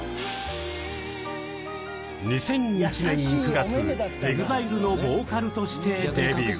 ２００１年９月ＥＸＩＬＥのボーカルとしてデビュー。